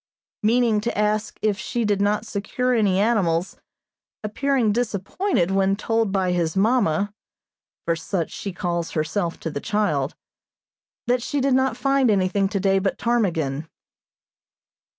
meaning to ask if she did not secure any animals, appearing disappointed when told by his mamma (for such she calls herself to the child) that she did not find anything today but ptarmigan.